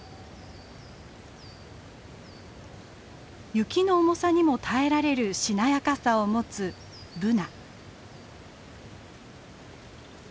雪の重さにも耐えられるしなやかさを持つブナ。